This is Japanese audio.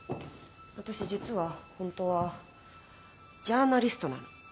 私実はホントはジャーナリストなの。